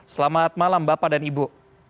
selamat malam bapak dan ibu